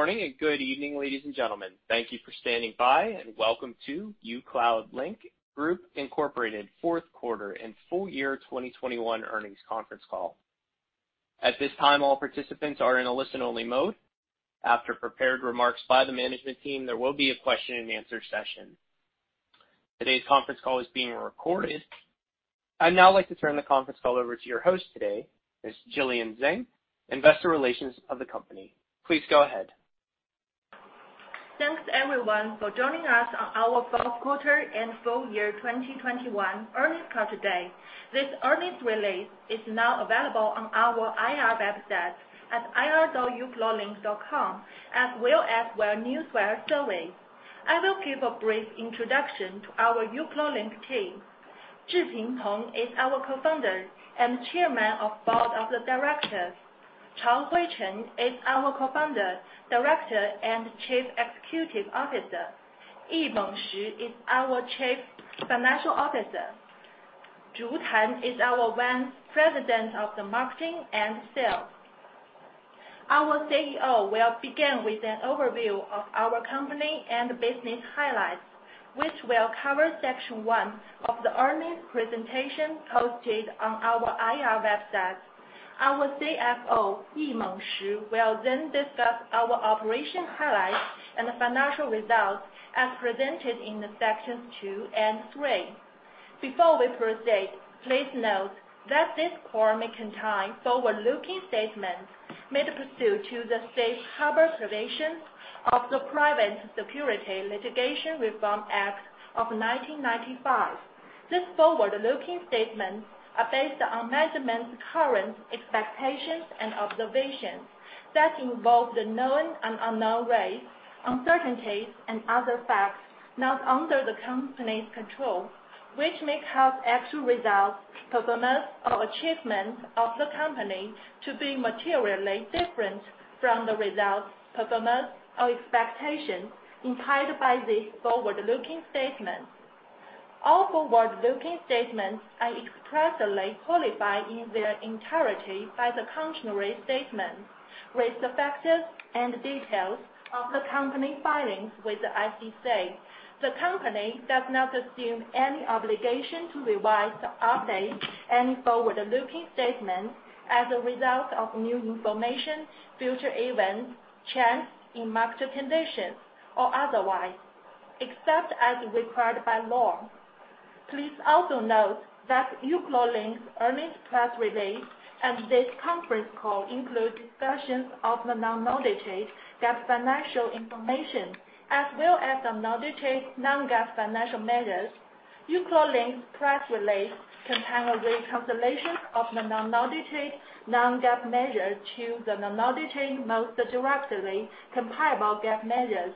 Good morning and good evening, ladies and gentlemen. Thank you for standing by, and welcome to uCloudlink Group Inc. Fourth Quarter and Full Year 2021 Earnings Conference Call. At this time, all participants are in a listen-only mode. After prepared remarks by the management team, there will be a question and answer session. Today's conference call is being recorded. I'd now like to turn the conference call over to your host today, Ms. Jillian Zeng, Investor Relations of the company. Please go ahead. Thanks, everyone, for joining us on our Fourth Quarter and Full Year 2021 Earnings Call today. This earnings release is now available on our IR website at ir.ucloudlink.com, as well as on newswires. I will give a brief introduction to our uCloudlink team. Zhiping Peng is our Co-founder and Chairman of the Board of Directors. Chaohui Chen is our Co-founder, Director, and Chief Executive Officer. Yimeng Shi is our Chief Financial Officer. Zhu Tan is our Vice President of Marketing and Sales. Our CEO will begin with an overview of our company and business highlights, which will cover section one of the earnings presentation posted on our IR website. Our CFO, Yimeng Shi, will then discuss our operational highlights and the financial results as presented in the sections two and three. Before we proceed, please note that this call may contain forward-looking statements made pursuant to the Safe Harbor Provisions of the Private Securities Litigation Reform Act of 1995. These forward-looking statements are based on management's current expectations and observations that involve the known and unknown risks, uncertainties, and other facts not under the company's control, which may cause actual results, performance, or achievements of the company to be materially different from the results, performance, or expectations implied by these forward-looking statements. All forward-looking statements are expressly qualified in their entirety by the cautionary statements with the factors and details of the company filings with the SEC. The company does not assume any obligation to revise or update any forward-looking statements as a result of new information, future events, trends in market conditions, or otherwise, except as required by law. Please also note that uCloudlink's earnings press release and this conference call include discussions of the unaudited GAAP financial information, as well as unaudited non-GAAP financial measures. uCloudlink's press release contains a reconciliation of the unaudited non-GAAP measure to the unaudited most directly comparable GAAP measures.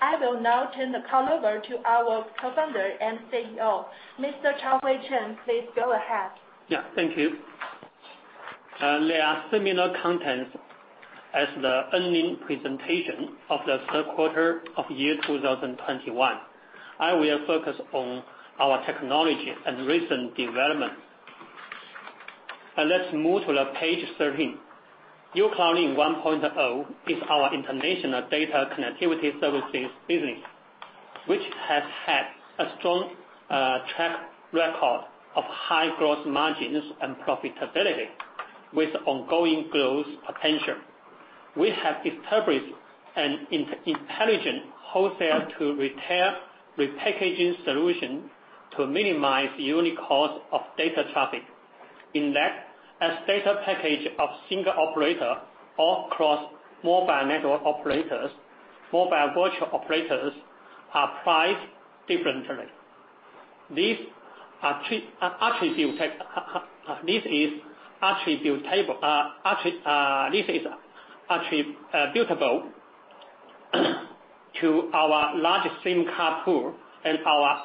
I will now turn the call over to our Co-founder and CEO, Mr. Chaohui Chen. Please go ahead. Yeah. Thank you. There are similar contents as the earnings presentation of the third quarter of 2021. I will focus on our technology and recent development. Let's move to page 13. uCloudlink 1.0 is our international data connectivity services business, which has had a strong track record of high growth margins and profitability with ongoing growth potential. We have established an intelligent wholesale-to-retail repackaging solution to minimize unit cost of data traffic. In that, as data packages of single operator or across mobile network operators, mobile virtual operators are priced differently. These attributes are attributable to our large SIM card pool and our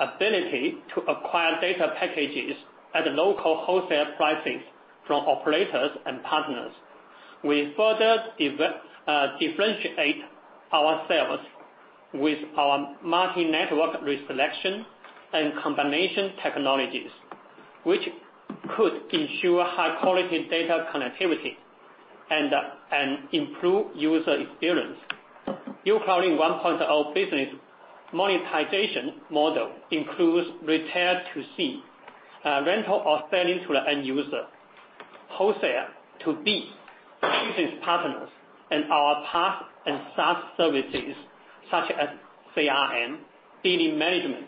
ability to acquire data packages at local wholesale prices from operators and partners. We further differentiate ourselves with our multi-network risk selection and combination technologies, which could ensure high-quality data connectivity and improve user experience. uCloudlink 1.0 business monetization model includes retail to C, rental or selling to the end user, wholesale to B business partners, and our PaaS and SaaS services such as CRM, billing management,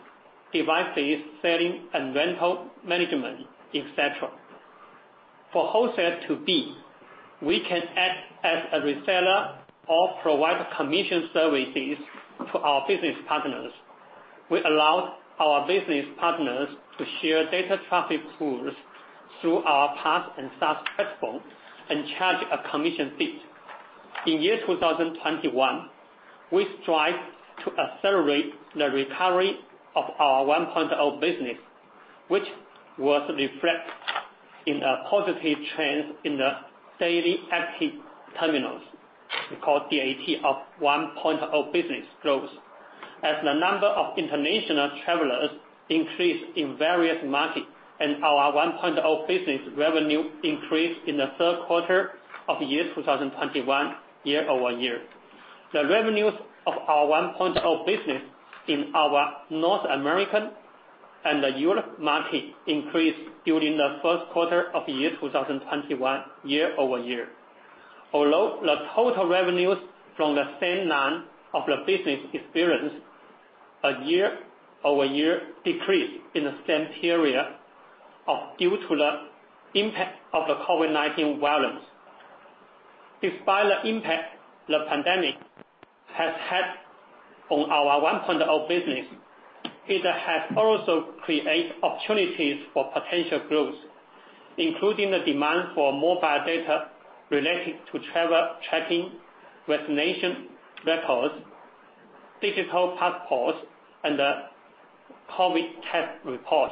device-based selling and rental management, et cetera. For wholesale to B, we can act as a reseller or provide commission services to our business partners. We allow our business partners to share data traffic pools through our PaaS and SaaS platform and charge a commission fee. In 2021, we strive to accelerate the recovery of our 1.0 business, which was reflected in a positive trend in the Daily Active Terminals we call DAT of 1.0 business growth. The number of international travelers increases in various markets, and our 1.0 business revenue increased in the third quarter of 2021 year-over-year. The revenues of our 1.0 business in our North American and European markets increased during the first quarter of 2021 year-over-year. Although the total revenues from the same line of the business experienced a year-over-year decrease in the same period due to the impact of the COVID-19 virus. Despite the impact the pandemic has had on our uCloudlink 1.0 business, it has also created opportunities for potential growth, including the demand for mobile data related to travel, checking, vaccination records, digital passports, and the COVID test report.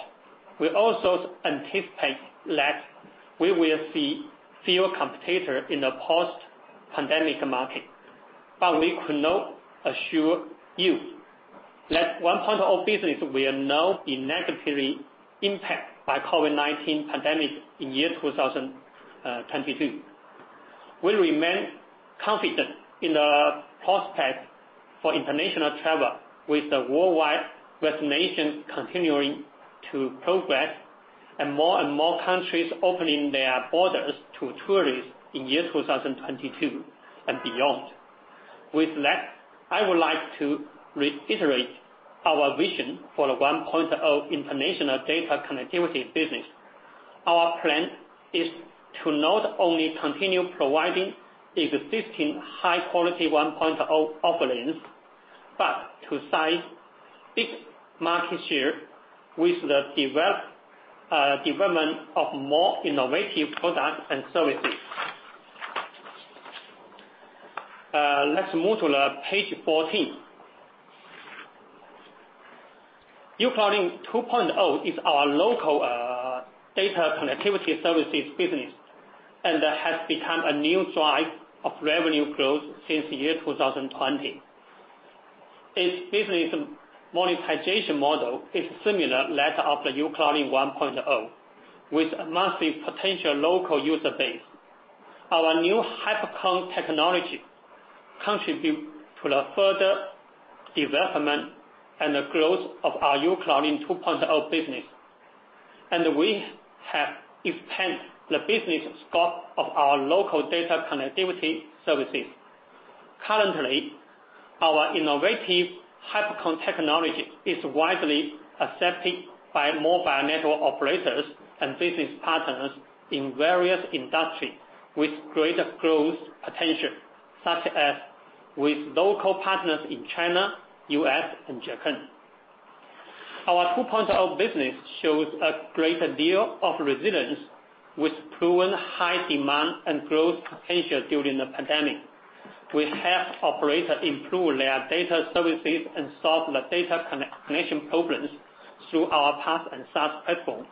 We also anticipate that we will see fewer competitor in the post-pandemic market, but we could not assure you that uCloudlink 1.0 business will not be negatively impacted by COVID-19 pandemic in year 2022. We remain confident in the prospect for international travel with the worldwide vaccination continuing to progress and more and more countries opening their borders to tourists in year 2022 and beyond. With that, I would like to reiterate our vision for the uCloudlink 1.0 international data connectivity business. Our plan is to not only continue providing existing high-quality 1.0 offerings, but to seize big market share with the development of more innovative products and services. Let's move to page 14. uCloudlink 2.0 is our local data connectivity services business, and has become a new driver of revenue growth since the year 2020. Its business monetization model is similar to that of the uCloudlink 1.0, with a massive potential local user base. Our new HyperConn technology contribute to the further development and the growth of our uCloudlink 2.0 business. We have expand the business scope of our local data connectivity services. Currently, our innovative HyperConn technology is widely accepted by mobile network operators and business partners in various industries with greater growth potential, such as with local partners in China, U.S., and Japan. Our 2.0 business shows a great deal of resilience with proven high demand and growth potential during the pandemic. We help operators improve their data services and solve the data connection problems through our PaaS and SaaS platform.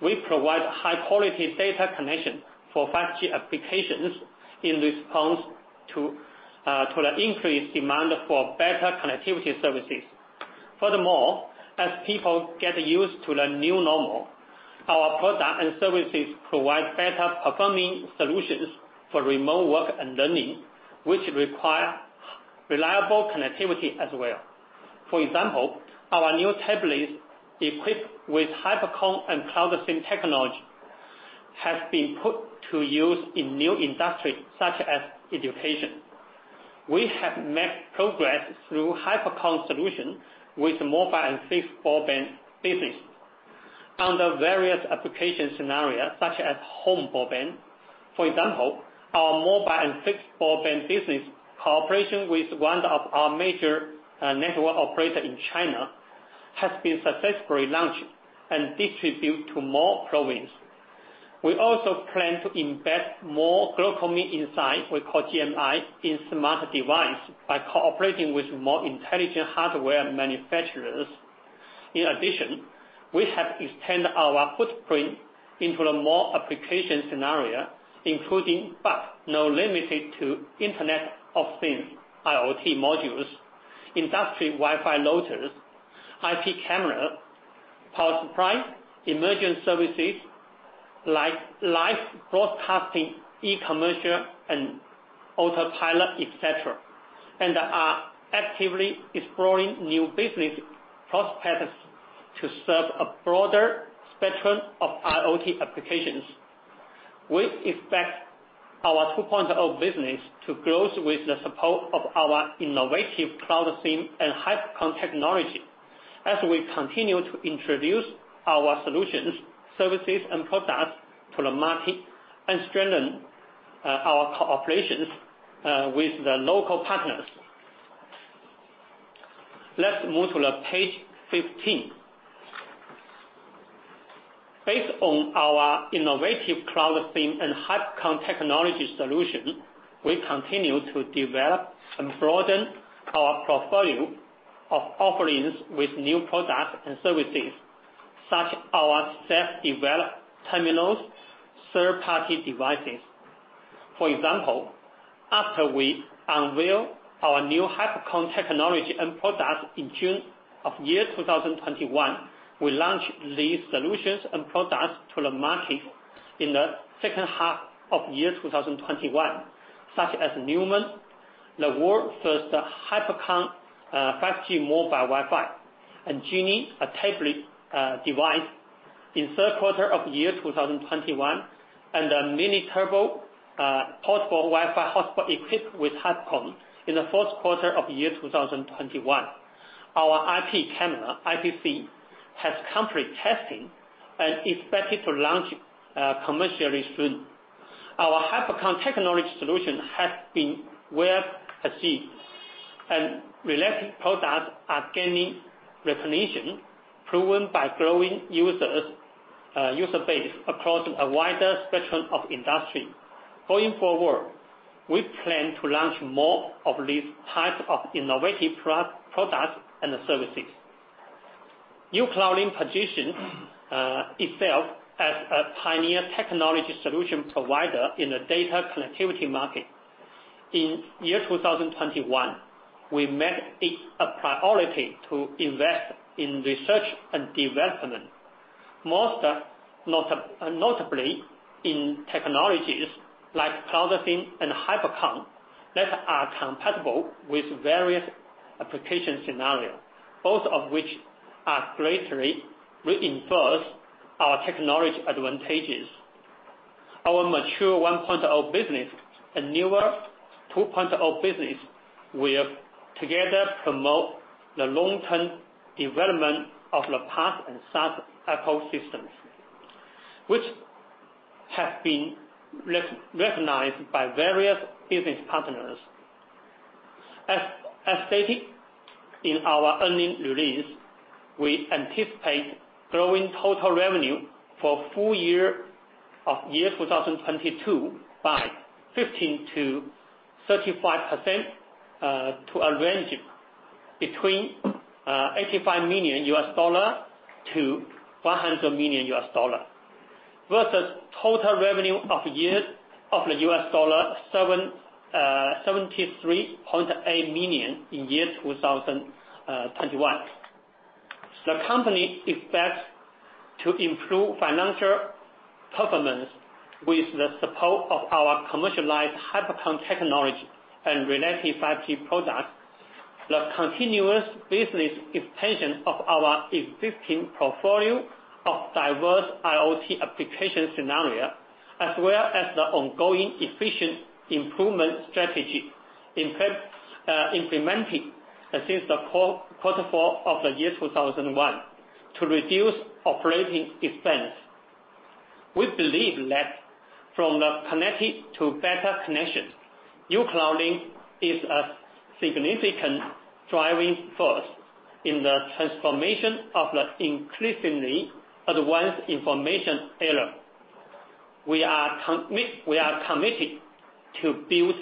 We provide high-quality data connection for 5G applications in response to the increased demand for better connectivity services. Furthermore, as people get used to the new normal, our product and services provide better performing solutions for remote work and learning, which require reliable connectivity as well. For example, our new tablets equipped with HyperConn and CloudSIM technology has been put to use in new industries, such as education. We have made progress through HyperConn solution with mobile and fixed broadband business. Under various application scenarios, such as home broadband. For example, our mobile and fixed broadband business cooperation with one of our major network operator in China has been successfully launched and distributed to more provinces. We also plan to embed more GlocalMe Inside, we call GMI, in smart device by cooperating with more intelligent hardware manufacturers. In addition, we have extended our footprint into more application scenarios, including, but not limited to Internet of Things, IoT modules, industry Wi-Fi routers, IP camera, power supply, emergent services like live broadcasting, e-commerce, and autopilot, etc. We are actively exploring new business prospects to serve a broader spectrum of IoT applications. We expect our 2.0 business to grow with the support of our innovative CloudSIM and HyperConn technology as we continue to introduce our solutions, services, and products to the market and strengthen our cooperations with the local partners. Let's move to page 15. Based on our innovative CloudSIM and HyperConn technology solution, we continue to develop and broaden our portfolio of offerings with new products and services, such as our self-developed terminals, third-party devices. For example, after we unveiled our new HyperConn technology and products in June of 2021, we launched these solutions and products to the market in the second half of 2021, such as Numen, the world's first HyperConn 5G mobile Wi-Fi, and Genie, a tablet device in third quarter of 2021, and a Mini Turbo portable Wi-Fi hotspot equipped with HyperConn in the fourth quarter of 2021. Our IP camera, IPC, has complete testing and expected to launch commercially soon. Our HyperConn technology solution has been well received, and related products are gaining recognition, proven by growing users, user base across a wider spectrum of industry. Going forward, we plan to launch more of these types of innovative products and services. uCloudlink positions itself as a pioneer technology solution provider in the data connectivity market. In 2021, we made it a priority to invest in research and development, most notably in technologies like CloudSIM and HyperConn that are compatible with various application scenario, both of which are greatly reinforce our technology advantages. Our mature 1.0 business and newer 2.0 business will together promote the long-term development of the PaaS and SaaS ecosystems, which have been recognized by various business partners. As stated in our earnings release, we anticipate growing total revenue for full year 2022 by 15%-35% to a range between $85 million-$100 million. Versus total revenue of $73.8 million in year 2021. The company expects to improve financial performance with the support of our commercialized HyperConn technology and related 5G products. The continuous business expansion of our existing portfolio of diverse IoT application scenario, as well as the ongoing efficient improvement strategy implementing since the quarter four of the year 2021 to reduce operating expense. We believe that from the connected to better connection, uCloudlink is a significant driving force in the transformation of the increasingly advanced information era. We are committed to build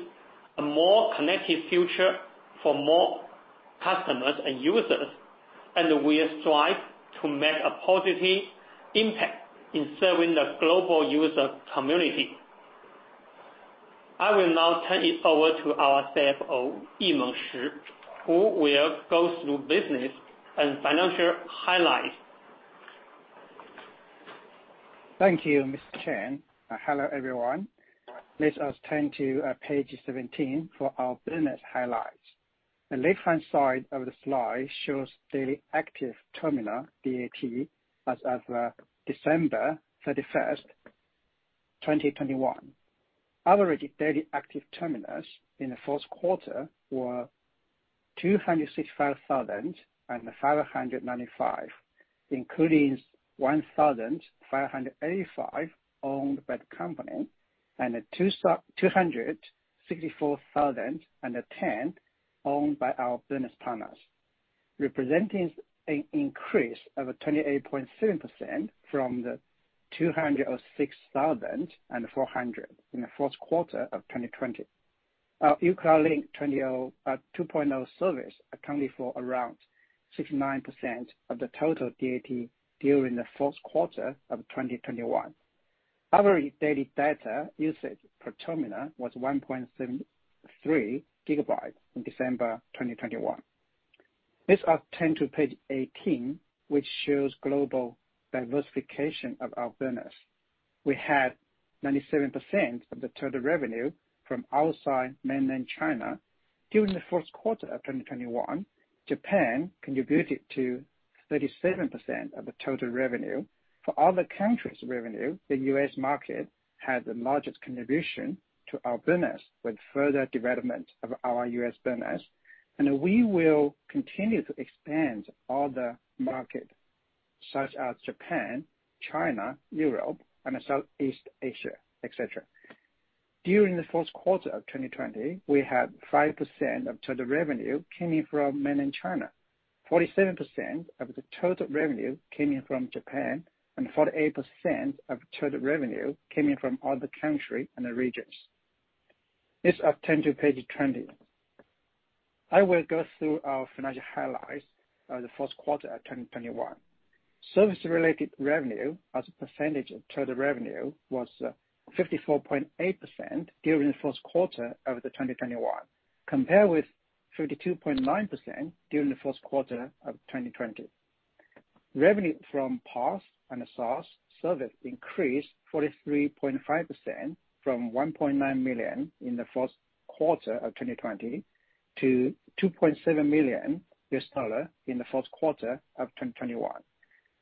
a more connected future for more customers and users, and we strive to make a positive impact in serving the global user community. I will now turn it over to our CFO, Yimeng Shi, who will go through business and financial highlights. Thank you, Mr. Chen. Hello, everyone. Let us turn to page 17 for our business highlights. The left-hand side of the slide shows Daily Active Terminal, DAT, as of December 31st, 2021. Average daily active terminals in the fourth quarter were 265,595, including 1,585 owned by the company, and 264,010 owned by our business partners. Representing an increase of 28.7% from the 206,400 in the fourth quarter of 2020. Our uCloudlink 2.0 service accounted for around 69% of the total DAT during the fourth quarter of 2021. Average daily data usage per terminal was 1.73 GB in December 2021. Let's turn to page 18, which shows global diversification of our business. We had 97% of the total revenue from outside mainland China. During the first quarter of 2021, Japan contributed to 37% of the total revenue. For other countries' revenue, the U.S. market had the largest contribution to our business with further development of our U.S. business. We will continue to expand other market, such as Japan, China, Europe and Southeast Asia, et cetera. During the fourth quarter of 2020, we had 5% of total revenue coming from mainland China. 47% of the total revenue came in from Japan, and 48% of total revenue came in from other country and regions. Let's turn to page 20. I will go through our financial highlights of the first quarter of 2021. Service related revenue as a percentage of total revenue was 54.8% during the first quarter of 2021, compared with 32.9% during the first quarter of 2020. Revenue from PaaS and SaaS service increased 43.5% from $1.9 million in the first quarter of 2020 to $2.7 million in the first quarter of 2021.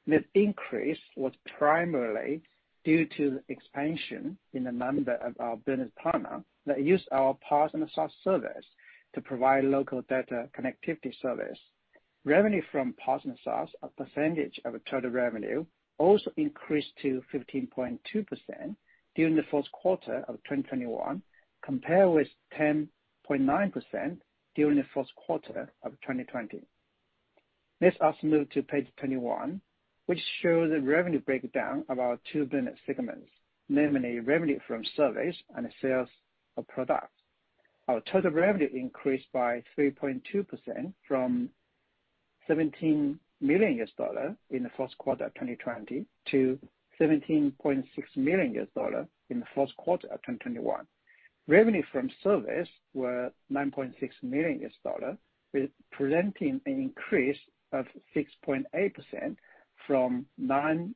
This increase was primarily due to the expansion in the number of our business partner that use our PaaS and SaaS service to provide local data connectivity service. Revenue from PaaS and SaaS, a percentage of total revenue, also increased to 15.2% during the first quarter of 2021, compared with 10.9% during the first quarter of 2020. Let's also move to page 21, which shows the revenue breakdown of our two business segments, namely revenue from service and sales of products. Our total revenue increased by 3.2% from $17 million in the first quarter of 2020 to $17.6 million in the first quarter of 2021. Revenue from service were $9.6 million, representing an increase of 6.8% from $9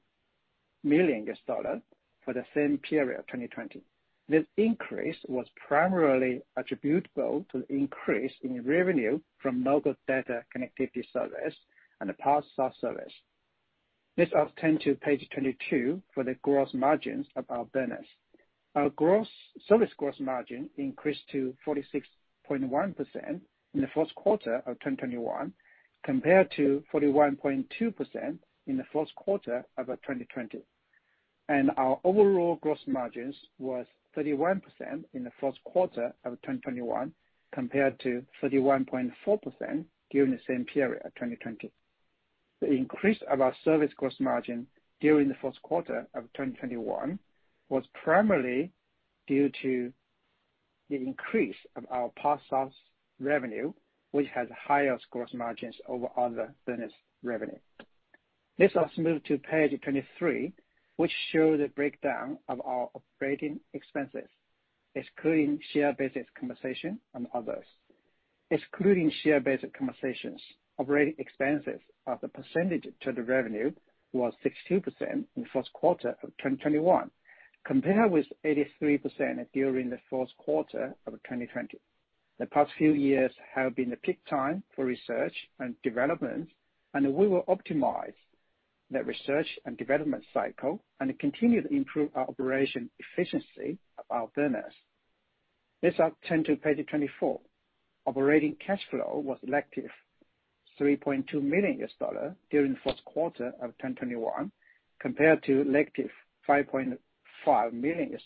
million for the same period, 2020. This increase was primarily attributable to the increase in revenue from local data connectivity service and the PaaS SaaS service. Let's now turn to page 22 for the gross margins of our business. Our service gross margin increased to 46.1% in the first quarter of 2021, compared to 41.2% in the first quarter of 2020. Our overall gross margins was 31% in the first quarter of 2021, compared to 31.4% during the same period, 2020. The increase of our service gross margin during the first quarter of 2021 was primarily due to the increase of our PaaS SaaS revenue, which has higher gross margins over other business revenue. Let's now move to page 23, which shows the breakdown of our operating expenses, excluding share-based compensation and others. Excluding share-based compensation, operating expenses as a percentage to the revenue was 62% in the first quarter of 2021, compared with 83% during the first quarter of 2020. The past few years have been the peak time for research and development, and we will optimize that research and development cycle and continue to improve our operation efficiency of our business. Let's now turn to page 24. Operating cash flow was -$3.2 million during the first quarter of 2021, compared to -$5.5 million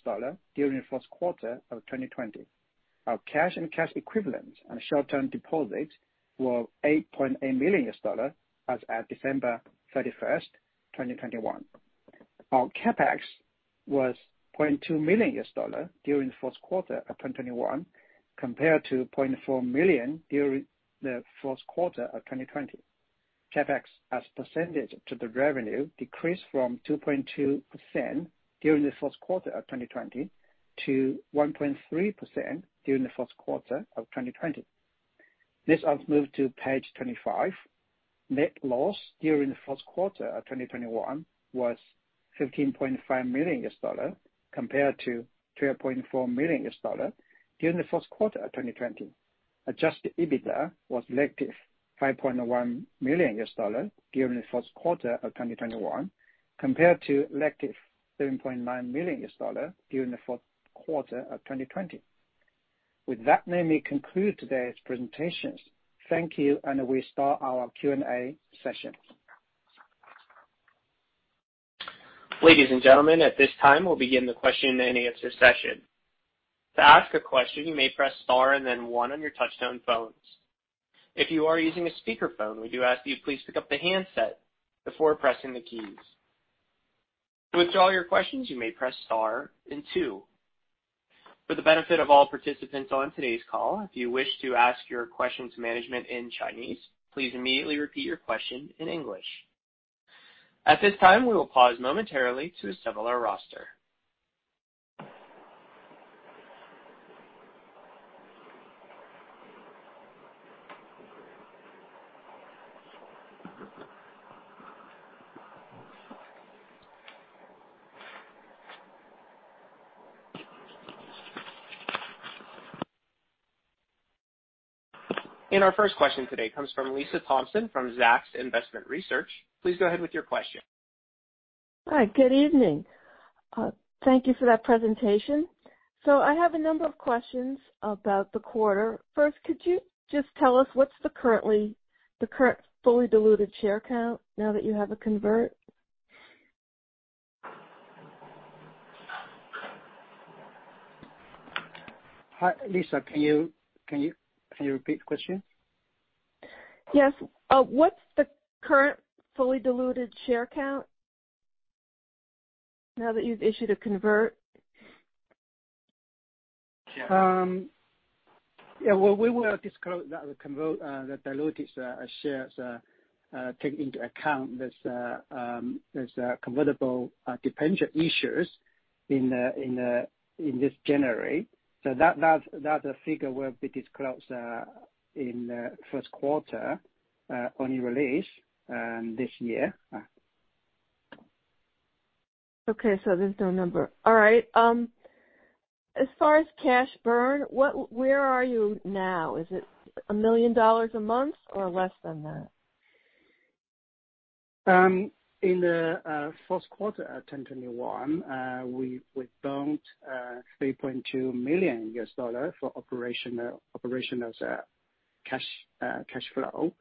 during the first quarter of 2020. Our cash and cash equivalents and short-term deposits were $8.8 million as at December 31st, 2021. Our CapEx was $200,000 during the first quarter of 2021, compared to $400,000 during the first quarter of 2020. CapEx as a percentage of the revenue decreased from 2.2% during the first quarter of 2021 to 1.3% during the first quarter of 2020. Let's now move to page 25. Net loss during the first quarter of 2021 was $15.5 million, compared to $12.4 million during the first quarter of 2020. Adjusted EBITDA was -$5.1 million during the first quarter of 2021, compared to -$7.9 million during the fourth quarter of 2020. With that, let me conclude today's presentations. Thank you, and we start our Q&A session. Ladies and gentlemen, at this time, we'll begin the question and answer session. To ask a question, you may press star and then one on your touchtone phones. If you are using a speakerphone, we do ask that you please pick up the handset before pressing the keys. To withdraw your questions, you may press star and two. For the benefit of all participants on today's call, if you wish to ask your question to management in Chinese, please immediately repeat your question in English. At this time, we will pause momentarily to assemble our roster. Our first question today comes from Lisa Thompson from Zacks Investment Research. Please go ahead with your question. Hi. Good evening. Thank you for that presentation. I have a number of questions about the quarter. First, could you just tell us the current fully diluted share count now that you have a convert? Hi, Lisa. Can you repeat the question? Yes. What's the current fully diluted share count? Now that you've issued a convert? Yeah, well, we will disclose that the diluted shares take into account this convertible debenture issued in January. That figure will be disclosed in first quarter only release this year. Okay. There's no number. All right. As far as cash burn, where are you now? Is it $1 million a month or less than that? In the first quarter of 2021, we burned $3.2 million for operational cash flow.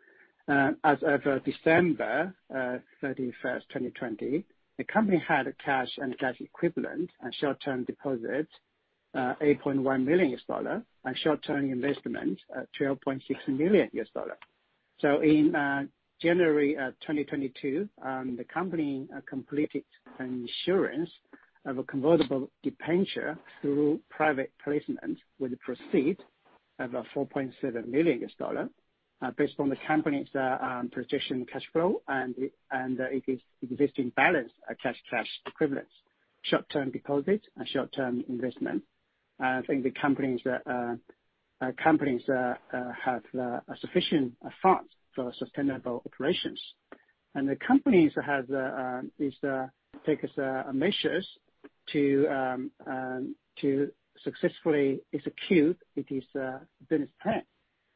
As of December 31st, 2020, the company had cash and cash equivalents and short-term deposits of $8.1 million, and short-term investments of $12.6 million. In January 2022, the company completed an issuance of a convertible debenture through private placement with proceeds of $4.7 million, based on the company's projected cash flow and existing balance of cash, cash equivalents, short-term deposits, and short-term investments. I think the company has sufficient funds for sustainable operations. The company has taken measures to successfully execute its business plan,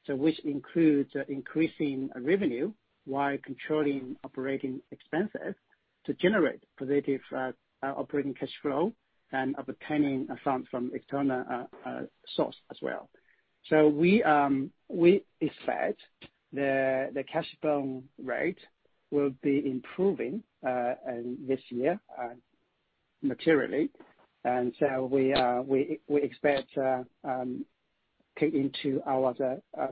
which includes increasing revenue while controlling operating expenses to generate positive operating cash flow and obtaining funds from external sources as well. We expect the cash burn rate will be improving in this year materially. We expect taken into our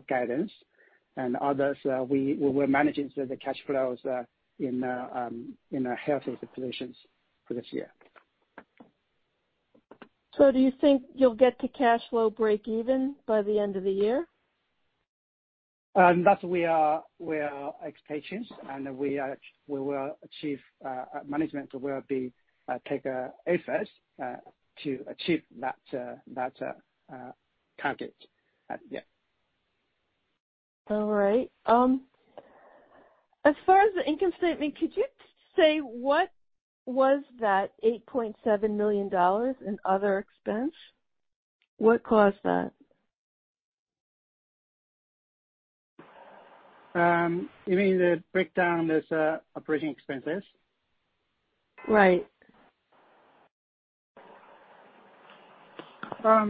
guidance and others, we are managing the cash flows in a healthy position for this year. Do you think you'll get to cash flow break even by the end of the year? That we are meeting expectations, and we will achieve. Management will make efforts to achieve that target. Yeah. All right. As far as the income statement, could you say what was that $8.7 million in other expense? What caused that? You mean the breakdown, this, operating expenses? Right. Yeah.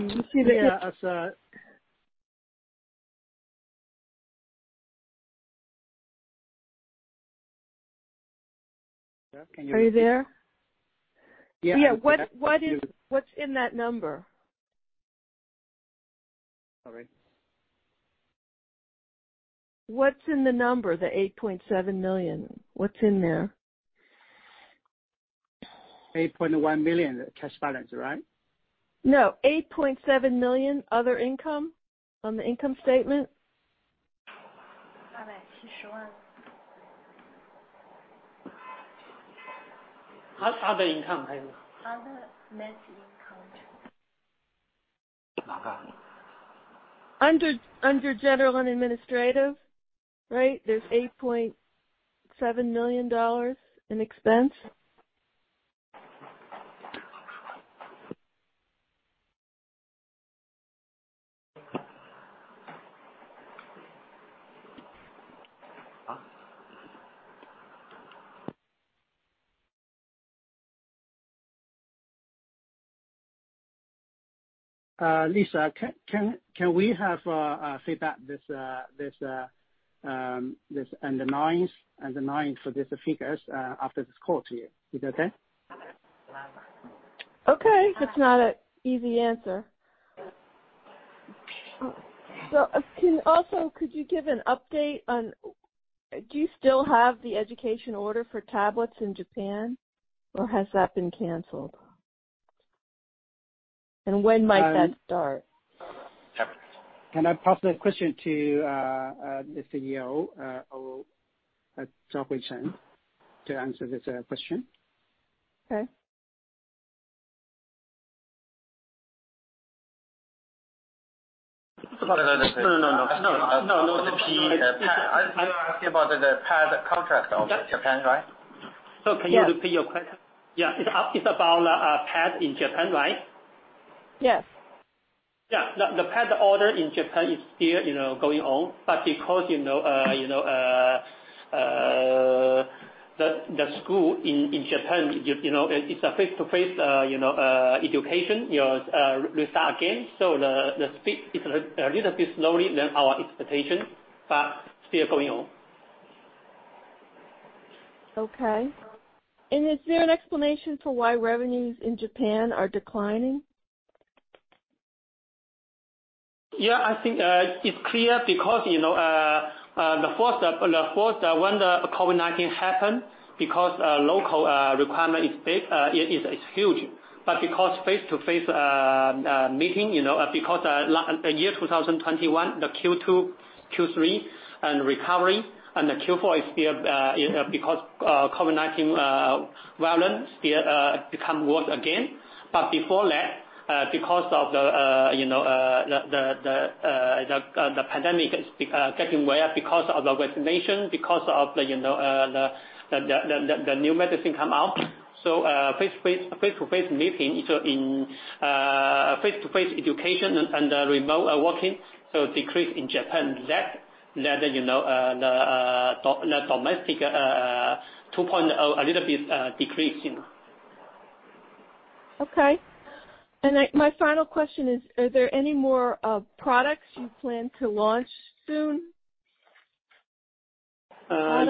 Can you? Are you there? Yeah. Yeah. What's in that number? Sorry. What's in the number, the $8.7 million? What's in there? $8.1 million cash balance, right? No. $8.7 million other income on the income statement. Under general and administrative, right? There's $8.7 million in expense. Lisa, can we have feedback on this and the line for these figures after this call to you? Is that okay? Okay, if it's not an easy answer, could you give an update on do you still have the education order for tablets in Japan, or has that been canceled? And when might that start? Can I pass that question to the CEO or Chaohui Chen to answer this question? Okay. No, no. You're asking about the PAD contract of Japan, right? Yes. Can you repeat your question? Yeah. It's about PAD in Japan, right? Yes. Yeah. The PAD order in Japan is still, you know, going on. Because, you know, the school in Japan, you know, it's a face-to-face, you know, education, you know, restart again. The speed is a little bit slowly than our expectation, but still going on. Okay. Is there an explanation for why revenues in Japan are declining? Yeah, I think it's clear because, you know, when the COVID-19 happened, because local requirement is big, it is huge. Because face-to-face meeting, you know, because last year 2021, the Q2, Q3 and recovery and the Q4 is still, you know, because COVID-19 variant still become worse again. Before that, because of the, you know, the pandemic is getting better because of the vaccination, because of the, you know, the new medicine come out. Face-to-face meeting is in face-to-face education and remote working, so decrease in Japan. That let you know the domestic 2.0 a little bit decreasing. Okay. My final question is, are there any more products you plan to launch soon?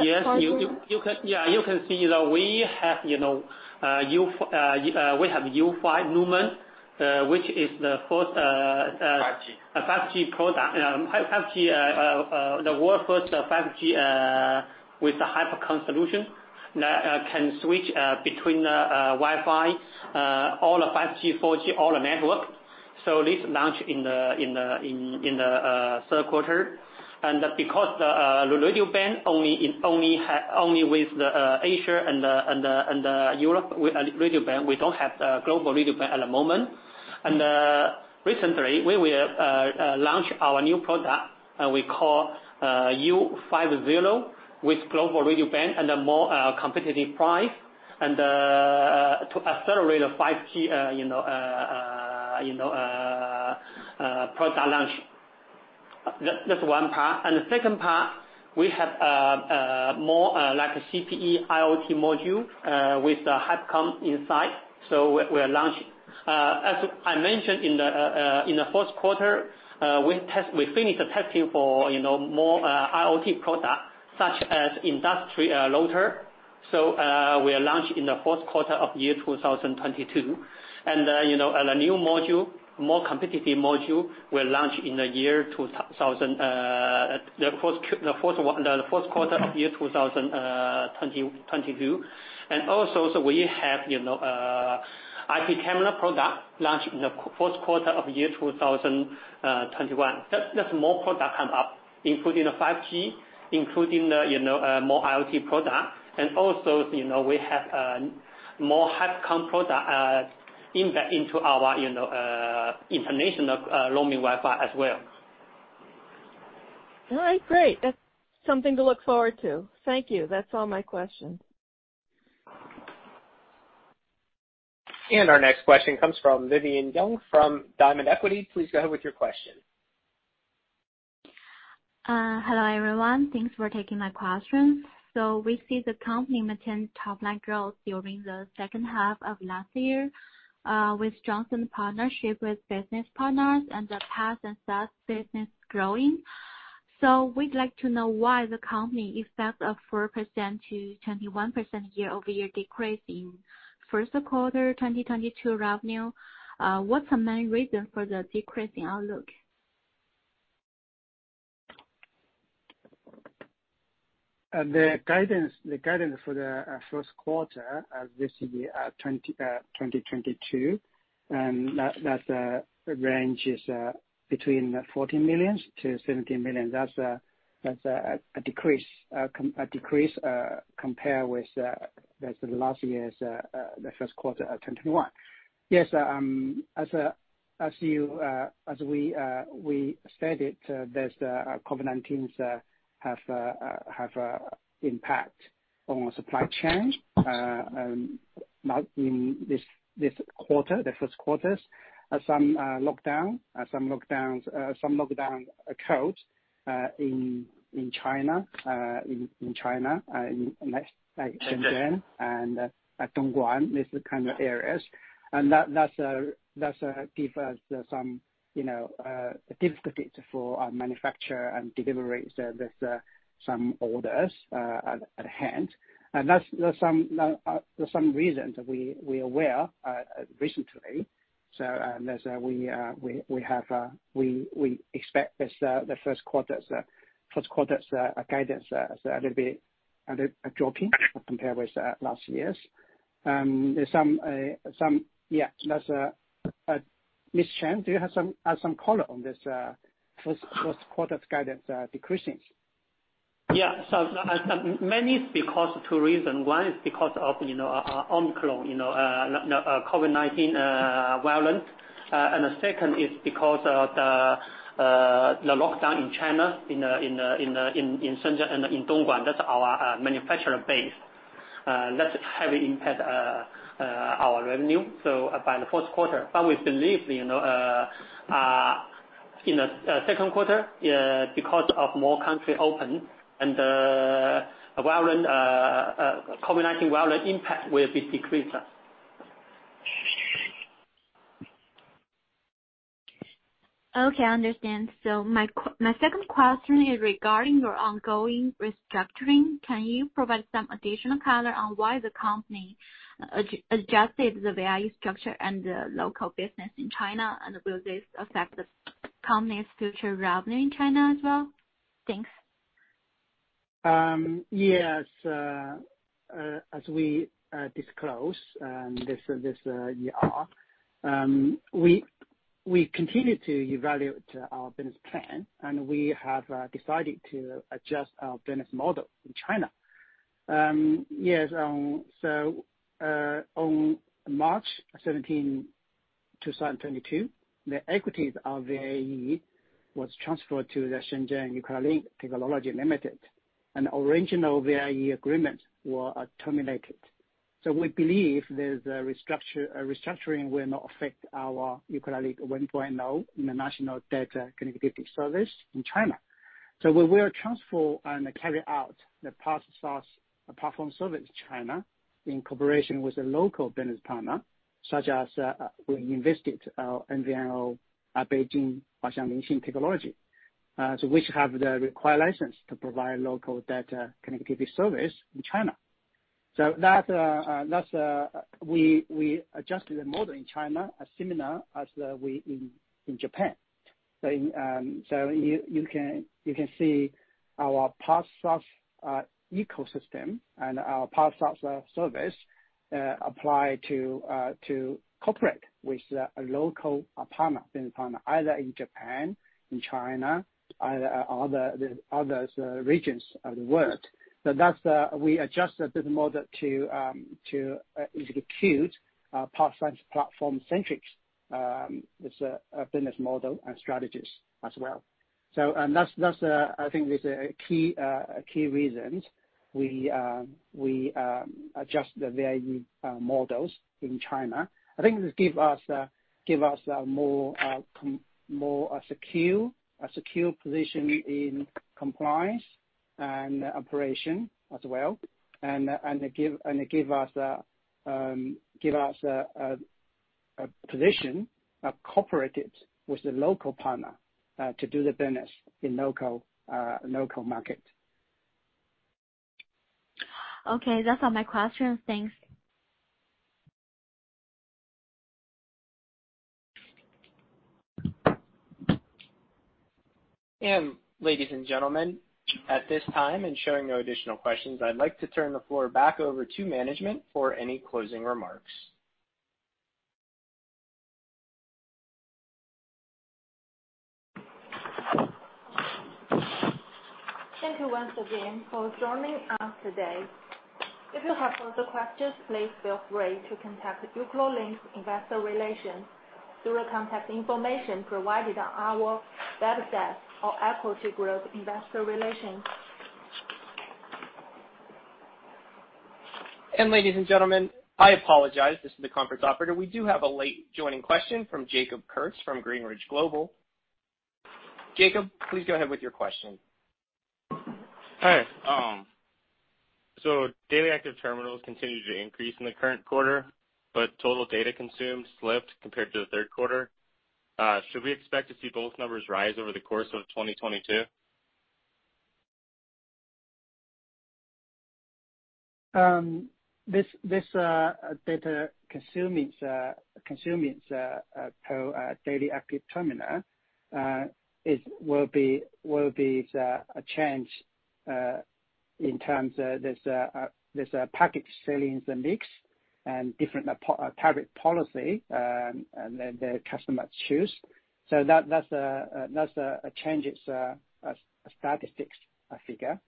Yes. You can see that we have, you know, GlocalMe Numen, which is the first 5G. A 5G product, the world's first 5G with the HyperConn solution that can switch between Wi-Fi, all the 5G, 4G, all the network. This launch in the third quarter. Because the radio band only with the Asia and the Europe with radio band. We don't have the global radio band at the moment. Recently, we will launch our new product we call U50 with global radio band and a more competitive price. To accelerate the 5G you know product launch. That's one part. The second part, we have more like a CPE IoT module with the HyperConn inside. We are launching. As I mentioned in the first quarter, we finished the testing for, you know, more IoT products such as industrial router. We launch in the fourth quarter of 2022. A new module, more competitive module will launch in 2022, the fourth quarter of 2022. We have IP camera product launched in the first quarter of 2021. That's more product come up, including the 5G, including the, you know, more IoT product. We have more HyperConn product back into our international roaming Wi-Fi as well. All right. Great. That's something to look forward to. Thank you. That's all my questions. Our next question comes from Vivian Zhang from Diamond Equity Research. Please go ahead with your question. Hello, everyone. Thanks for taking my question. We see the company maintained top-line growth during the second half of last year, with strengthened partnership with business partners and the PaaS and SaaS business growing. We'd like to know why the company expects a 4%-21% year-over-year decrease in first quarter 2022 revenue. What's the main reason for the decreasing outlook? The guidance for the first quarter of this year, 2022, that range is between $14 million-$17 million. That's a decrease compared with last year's first quarter of 2021. Yes, as we stated, there's COVID-19 has had impact on supply chain, not in this quarter, the first quarter. Some lockdowns occurred in China, in like Shenzhen and Dongguan, these kind of areas. That's given us some, you know, difficulty for our manufacture and delivery. So there's some orders at hand. There's some reasons we are aware recently. We expect the first quarter's guidance is a little bit lower compared with last year's. There's some. Yeah. Mr. Chen, do you have some color on this first quarter's guidance decreasing? Yeah. Mainly it's because two reasons. One is because of, you know, Omicron, you know, COVID-19 variant. The second is because of the lockdown in China in Shenzhen and in Dongguan. That's our manufacturing base. That's heavily impact our revenue, so by the fourth quarter. We believe, you know, in the second quarter, because of more countries open and COVID-19 variant impact will be decreased. Okay, I understand. My second question is regarding your ongoing restructuring. Can you provide some additional color on why the company adjusted the value structure and the local business in China? And will this affect the company's future revenue in China as well? Thanks. As we disclose this year, we continue to evaluate our business plan, and we have decided to adjust our business model in China. On March 17, 2022, the equities of VIE was transferred to the Shenzhen uCloudlink Technology Limited, and original VIE agreements were terminated. We believe this restructuring will not affect our uCloudlink 1.0, the international data connectivity service in China. We will transfer and carry out the PaaS SaaS platform services in China in cooperation with a local business partner, such as our invested MVNO, Beijing Huaxianglianxin Technology Co., Ltd., which has the required license to provide local data connectivity service in China. That's we adjusted the model in China as similar as we in Japan. You can see our PaaS SaaS ecosystem and our PaaS SaaS service apply to cooperate with a local partner, business partner, either in Japan, in China, or other regions of the world. That's we adjust the business model to execute platform-centric as a business model and strategies as well. That's I think these are key reasons we adjust the VIE models in China. I think this give us more com... more secure, a secure position in compliance and operation as well, and give us a position cooperated with the local partner to do the business in local market. Okay. That's all my questions. Thanks. Ladies and gentlemen, at this time, and showing no additional questions, I'd like to turn the floor back over to management for any closing remarks. Thank you once again for joining us today. If you have further questions, please feel free to contact uCloudlink Investor Relations through the contact information provided on our website or Equity Group Investor Relations. Ladies and gentlemen, I apologize. This is the conference operator. We do have a late joining question from Jacob Kurtz from Greenridge Global. Jacob, please go ahead with your question. Hi. Daily Active Terminals continued to increase in the current quarter, but total data consumed slipped compared to the third quarter. Should we expect to see both numbers rise over the course of 2022? This data consumption per Daily Active Terminal will be a change in terms of there's a package in the mix and different target policy, and then the customer choose. That's a change. It's a statistic, I figure.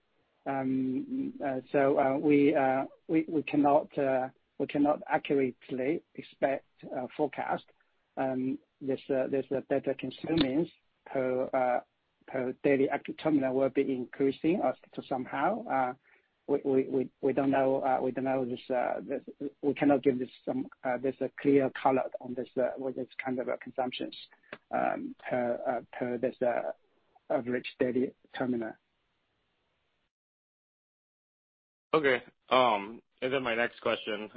We cannot accurately forecast this data consumption per Daily Active Terminal will be increasing or something. We don't know this. We cannot give some clear color on this kind of consumption per average Daily Active Terminal. Okay. My next question.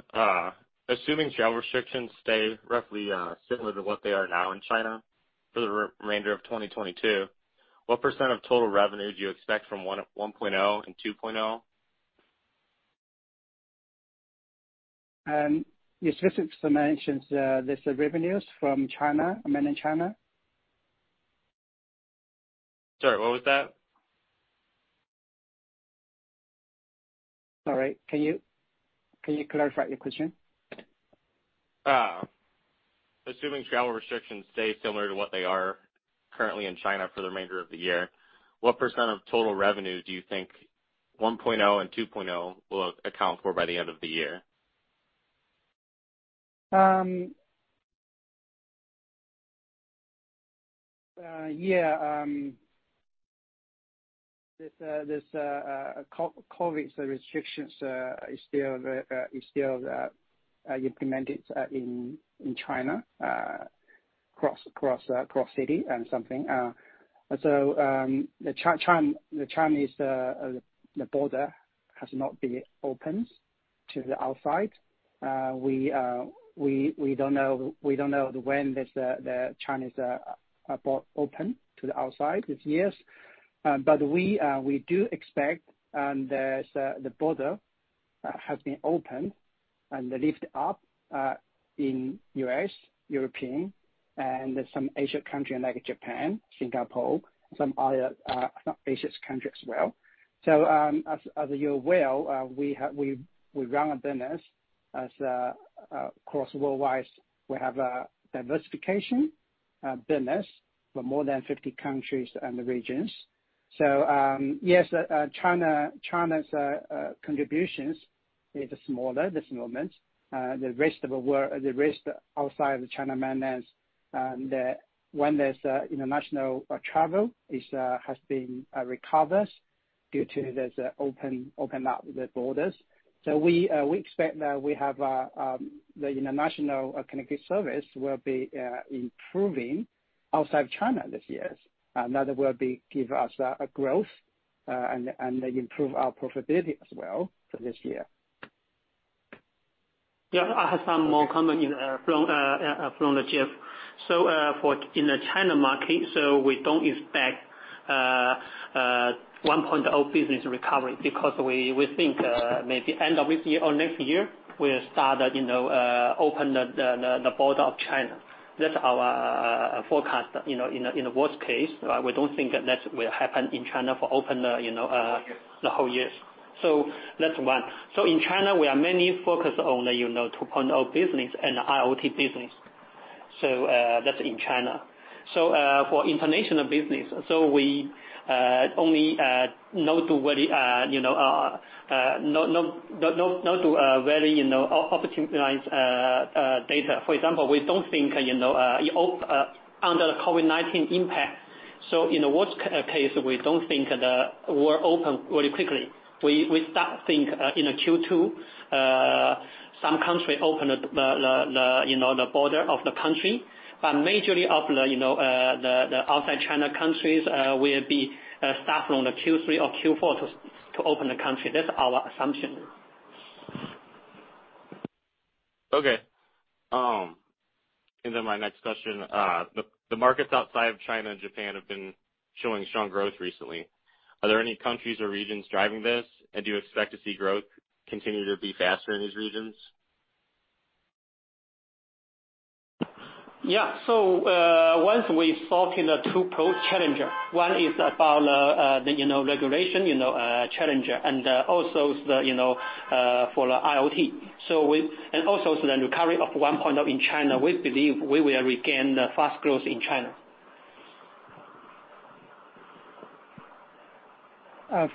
Assuming travel restrictions stay roughly similar to what they are now in China for the remainder of 2022, what % of total revenue do you expect from 1.0 and 2.0? You're supposed to mention there's revenues from China, mainly China. Sorry, what was that? Sorry, can you clarify your question? Assuming travel restrictions stay similar to what they are currently in China for the remainder of the year, what percent of total revenue do you think 1.0 and 2.0 will account for by the end of the year? There's COVID restrictions is still implemented in China cross city. The Chinese border has not been opened to the outside. We don't know when the Chinese border open to the outside this year. We do expect the border have been open and lift up in U.S., Europe, and some Asian country like Japan, Singapore, some other Asian country as well. As you're aware, we run a business across worldwide. We have a diversified business for more than 50 countries and the regions. Yes, China's contributions is smaller this moment. The rest outside mainland China, when international travel has been recovering due to this open up the borders. We expect that we have the international connected service will be improving outside China this year. That will give us a growth and improve our profitability as well for this year. Yeah. I have some more comment from Jeff. For the China market, we don't expect 1.0 business recovery because we think maybe end of this year or next year we'll start, you know, open the border of China. That's our forecast, you know, in a worst case, we don't think that will happen in China to open, you know, the whole year. That's one. In China, we are mainly focused on, you know, 2.0 business and IoT business. That's in China. For international business, we only need to very, you know, optimize data. For example, we don't think, you know, under the COVID-19 impact, so in the worst case, we don't think the world open very quickly. We start think in Q2 some country open the you know the border of the country. Mainly of the you know the outside China countries will be start from the Q3 or Q4 to open the country. That's our assumption. Okay. My next question. The markets outside of China and Japan have been showing strong growth recently. Are there any countries or regions driving this? Do you expect to see growth continue to be faster in these regions? Yeah. Once we sort out the two principal challenges, one is about the you know regulatory you know challenges and also the you know for the IoT. The recovery of the economy in China, we believe we will regain the fast growth in China.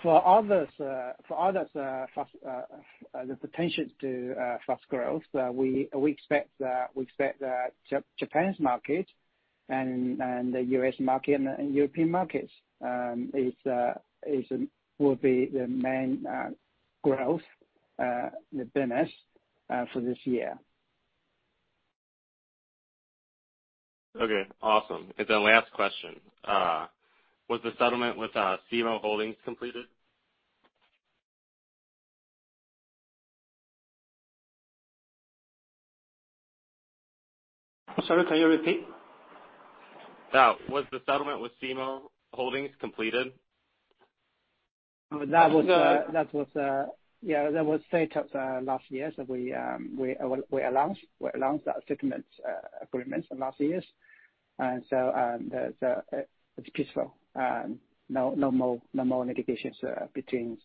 For others, the potential for fast growth, we expect Japan's market and the U.S. market and European markets will be the main growth for the business this year. Okay, awesome. Last question. Was the settlement with SIMO Holdings Inc. completed? Sorry, can you repeat? Was the settlement with SIMO Holdings completed? That was set up last year. We announced that settlement agreement last year. It's peaceful. No more litigations between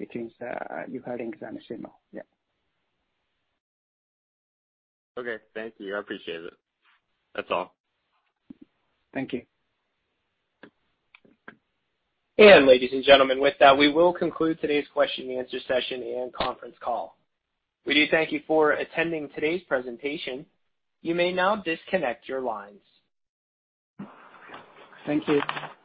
uCloudlink Holdings and SIMO. Okay. Thank you. I appreciate it. That's all. Thank you. Ladies and gentlemen, with that, we will conclude today's question and answer session and conference call. We do thank you for attending today's presentation. You may now disconnect your lines. Thank you.